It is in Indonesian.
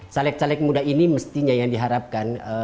caleg caleg muda ini mestinya yang diharapkan